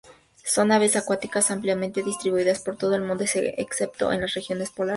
Son aves acuáticas ampliamente distribuidas por todo el mundo excepto en las regiones polares.